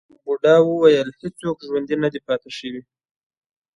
بوډا وویل هیڅوک ژوندی نه دی پاتې شوی.